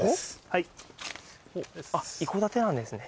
はいあっ一戸建てなんですね